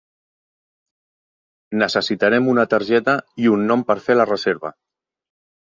Necessitarem una targeta i un nom per fer la reserva.